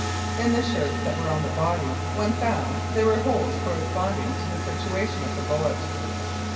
In the shirts that were on the body when found there were holes corresponding to the situation of the bullet.